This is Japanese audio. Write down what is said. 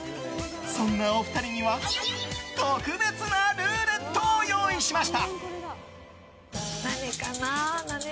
そんなお二人には特別なルーレットを用意しました。